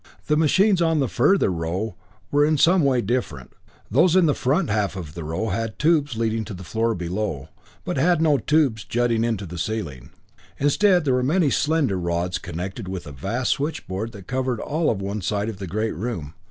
The machines on the further row were in some way different; those in the front half of the row had the tubes leading to the floor below, but had no tubes jutting into the ceiling. Instead, there were many slender rods connected with a vast switchboard that covered all of one side of the great room.